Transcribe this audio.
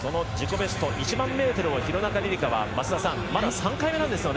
ベスト１００００ｍを廣中璃梨佳はまだ３回目なんですよね。